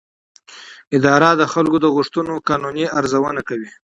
اداره د خلکو د غوښتنو قانوني ارزونه کوي.